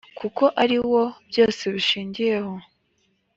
kuko ari wo byose bishingiyeho